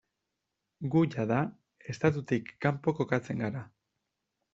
Gu jada estatutik kanpo kokatzen gara.